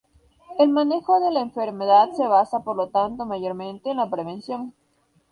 El manejo de la enfermedad se basa por lo tanto mayormente en la prevención.